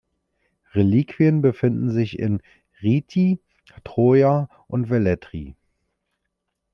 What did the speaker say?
Reliquien befinden sich in Rieti, Troia und Velletri.